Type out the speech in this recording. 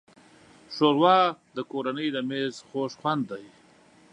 ښوروا د کورنۍ د مېز خوږ خوند دی.